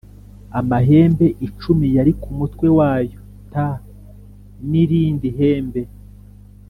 amahembe icumi yari ku mutwe wayo t n irindi hembe